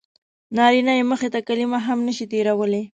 نارینه یې مخې ته کلمه هم نه شي تېرولی.